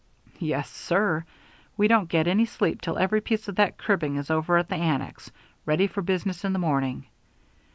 "Yes, sir. We don't get any sleep till every piece of that cribbing is over at the annex, ready for business in the morning.